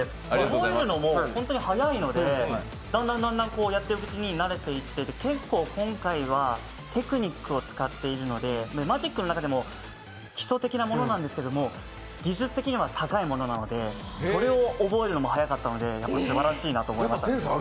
覚えるのも本当にはやいのでだんだんやっていくうちに慣れていって、今回は特にテクニックを使っているので、マジックの中でも基礎的なものなんですけど技術的には高いものなのでそれを覚えるのも早かったのでやっぱりすばらしいなと思います。